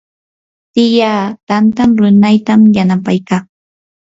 tiyaata tanta ruraytam yanapaykaa.